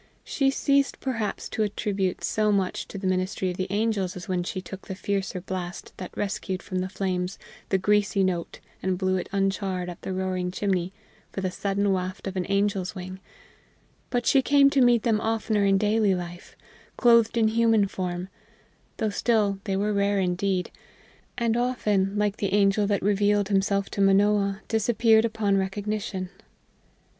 She ceased perhaps to attribute so much to the ministry of the angels as when she took the fiercer blast that rescued from the flames the greasy note and blew it uncharred up the roaring chimney for the sudden waft of an angel's wing; but she came to meet them oftener in daily life, clothed in human form, though still they were rare indeed, and often, like the angel that revealed himself to Manoah, disappeared upon recognition.